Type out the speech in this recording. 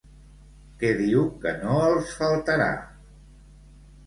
Què diu que no els faltarà?